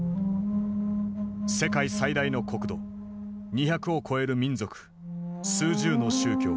世界最大の国土２００を超える民族数十の宗教。